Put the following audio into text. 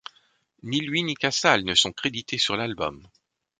Ni lui ni Casale ne sont crédités sur l'album.